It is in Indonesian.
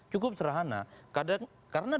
cukup serahana kadang karena